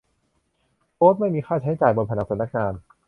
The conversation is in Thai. โพสต์ไม่มีค่าใช้จ่ายบนผนังสำนักงาน